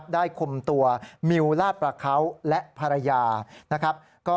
คุมตัวมิวลาดประเขาและภรรยานะครับ